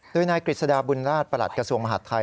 โดยนายกฤษฎาบุญราชประหลัดกระทรวงมหาดไทย